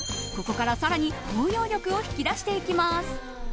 ここから更に包容力を引き出していきます。